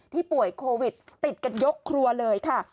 ป่วยโควิดติดกันยกครัวเลยค่ะ